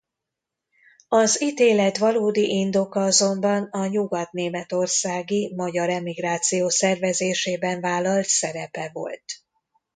Az ítélet valódi indoka azonban a nyugat-németországi magyar emigráció szervezésében vállalt szerepe volt.